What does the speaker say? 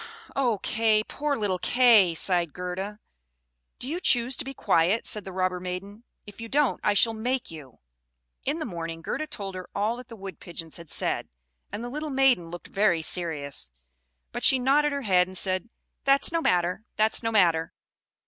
"Oh, Kay! Poor little Kay!" sighed Gerda. "Do you choose to be quiet?" said the robber maiden. "If you don't, I shall make you." In the morning Gerda told her all that the Wood pigeons had said; and the little maiden looked very serious, but she nodded her head, and said, "That's no matter that's no matter.